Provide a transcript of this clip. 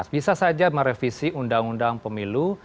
bisa saja merevisi undang undang pemilu